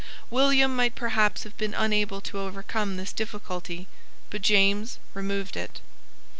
William might perhaps have been unable to overcome this difficulty; but James removed it.